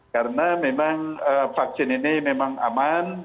karena memang vaksin ini memang aman